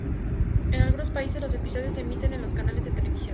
En algunos países, los episodios se emiten en los canales de televisión.